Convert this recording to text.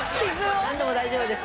何度も、大丈夫です。